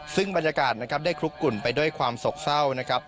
ซึ่งบรรยากาศนะครับได้คลุกกุ่นไปด้วยความโศกเศร้านะครับ